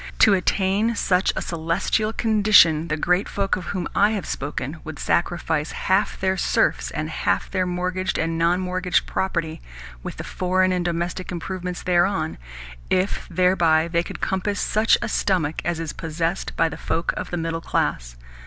To attain such a celestial condition the great folk of whom I have spoken would sacrifice half their serfs and half their mortgaged and non mortgaged property, with the foreign and domestic improvements thereon, if thereby they could compass such a stomach as is possessed by the folk of the middle class.